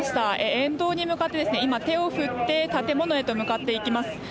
沿道に向かって今、手を振って建物へと向かっていきます。